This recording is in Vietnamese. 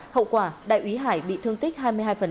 hậu quả đại úy hải bị thương tích hai mươi hai